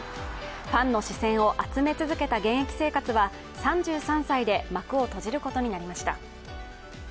ファンの視線を集め続けた現役生活は３３歳で幕を閉じることになりました。